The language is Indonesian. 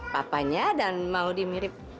papanya dan maudie mirip